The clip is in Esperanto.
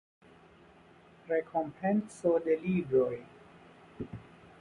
Rekompenco de Libroj.